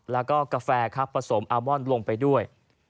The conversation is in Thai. แล้วก็กาแฟครับผสมอาร์มอนลงไปด้วย